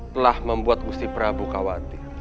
telah membuat gusti prabu khawatir